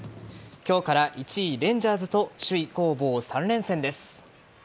今日から１位・レンジャーズと首位攻防３連戦です。